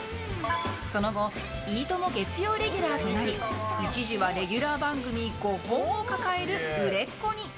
その後、「いいとも！」月曜レギュラーとなり一時はレギュラー番組５本を抱える売れっ子に。